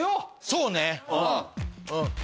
そうね！